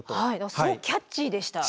すごくキャッチーでした。